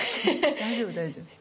大丈夫大丈夫。